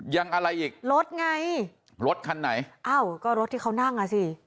อะไรอีกรถไงรถคันไหนอ้าวก็รถที่เขานั่งอ่ะสิ